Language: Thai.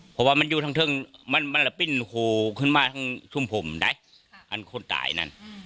เพราะว่ามันอยู่ทั้งมันละปิ้นโหขึ้นมาทั้งชุ่มผมนะอันคนตายนั่น